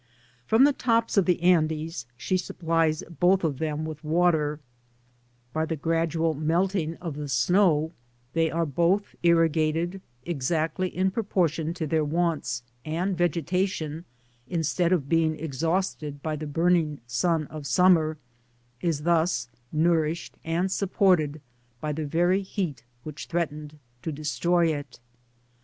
From the tops of the Andes she supplies both B Digitized byGoogk 2 DESCRIPTIVB OUTLINE of them with water ; by the gradual melting of the snow they are both irrigated exactly in pro portion to their wants ; and vegetation, instead of being exhausted by the burning sun of summer, is thus nourished and supported by the very heat which threatened to destroy it.